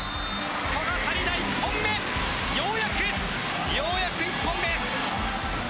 古賀紗理那１本目、ようやくようやく１本目。